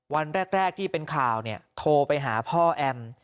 วันแรกที่เป็นข่าวโทรไปหาพ่อแอม